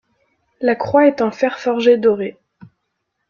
La croix est en fer forgé doré.